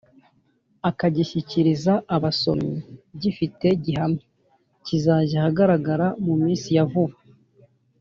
akagishyikiriza abasomyi gifite gihamya. Kizajya ahagaragara mu minsi ya vuba.